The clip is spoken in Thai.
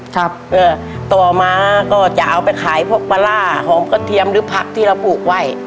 ครับเอ่อต่อมาก็จะเอาไปขายพวกปลาร่าหอมกระเทียมหรือผักที่เราปลูกไว้